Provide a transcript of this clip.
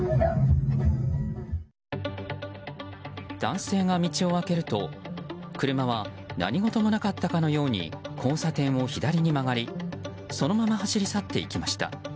男性が道を開けると車は、何事もなかったかのように交差点を左に曲がりそのまま走り去っていきました。